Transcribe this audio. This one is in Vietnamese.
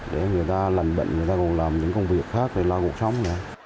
để người ta lành bệnh người ta còn làm những công việc khác để lo cuộc sống